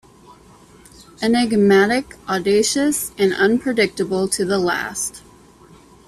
Enigmatic, audacious and unpredictable to the last.